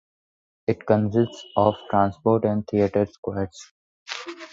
It consists of Transport and Theater squares.